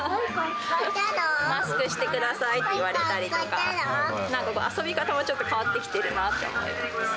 マスクしてくださいって言われたりとか、なんか遊び方もちょっと変わってきてるなって思います。